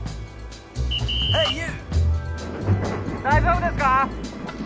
大丈夫ですか？